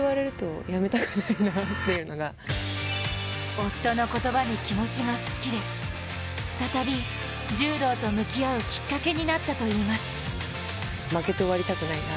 夫の言葉で気持ちが吹っ切れ、再び、柔道と向き合うきっかけになったといいます。